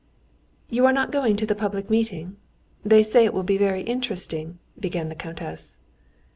"You are not going to the public meeting? They say it will be very interesting," began the countess.